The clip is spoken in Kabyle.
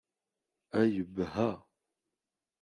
A yebha!